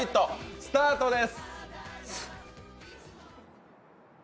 スタートです！